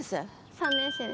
３年生です。